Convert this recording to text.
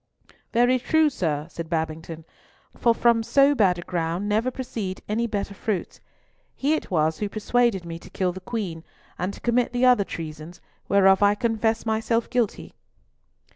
"Very true, sir," said Babington; "for from so bad a ground never proceed any better fruits. He it was who persuaded me to kill the Queen, and to commit the other treasons, whereof I confess myself guilty."